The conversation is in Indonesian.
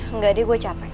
enggak deh gue capek